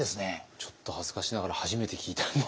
ちょっと恥ずかしながら初めて聞いたんですが。